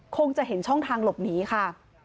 คงจะเห็นช่องทางหลบหนีค่ะ